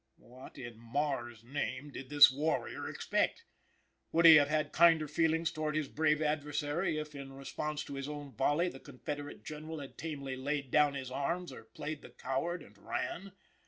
What in Mars' name did this warrior expect? Would he have had kinder feelings towards his brave adversary if, in response to his own volley, the Confederate General had tamely laid down his arms, or played the coward and run?